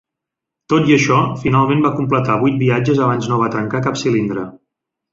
Tot i això, finalment va completar vuit viatges abans no va trencar cap cilindre.